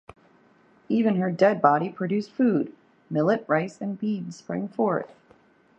Even her dead body produced food: millet, rice, and beans sprang forth.